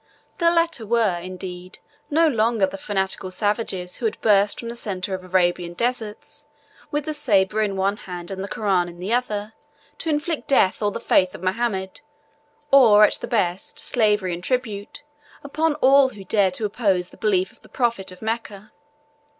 The latter were, indeed, no longer the fanatical savages who had burst from the centre of Arabian deserts, with the sabre in one hand and the Koran in the other, to inflict death or the faith of Mohammed, or, at the best, slavery and tribute, upon all who dared to oppose the belief of the prophet of Mecca.